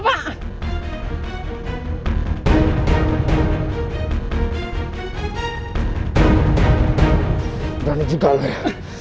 berani juga uangnya